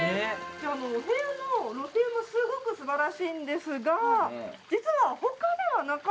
お部屋の露天もすごく素晴らしいんですが実は。